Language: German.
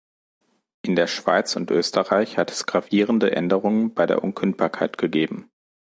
In der Schweiz und Österreich hat es gravierende Änderungen bei der Unkündbarkeit gegeben.